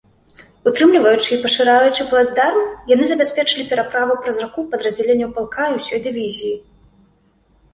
Утрымліваючы і пашыраючы плацдарм, яны забяспечылі пераправу праз раку падраздзяленняў палка і ўсёй дывізіі.